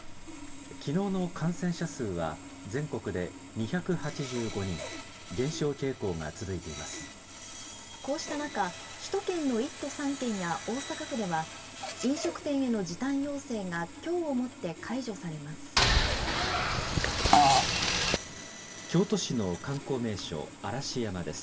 きのうの感染者数は、全国で２８５人、こうした中、首都圏の１都３県や大阪府では、飲食店への時短要請が、きょうをもって解除されます。